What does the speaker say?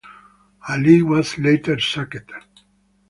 Ali was later sacked.